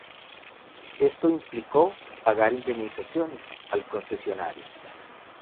Esto implicó pagar indemnizaciones al concesionario.